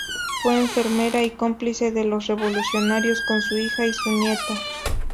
Fue enfermera y cómplice de los revolucionarios con su hija y su nieta.